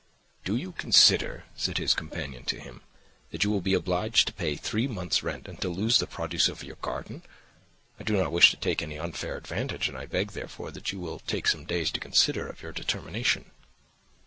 "'Do you consider,' said his companion to him, 'that you will be obliged to pay three months' rent and to lose the produce of your garden? I do not wish to take any unfair advantage, and I beg therefore that you will take some days to consider of your determination.